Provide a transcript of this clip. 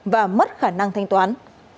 và mất khả năng thanh toán